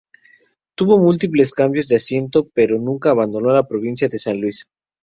Tuvo múltiples cambios de asiento pero nunca abandonó la provincia de San Luis.